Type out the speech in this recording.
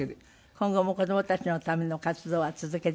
今後も子どもたちのための活動は続けていきたい？